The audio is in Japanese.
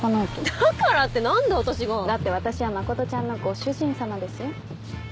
だからって何で私が？だって私は真ちゃんのご主人様ですよ？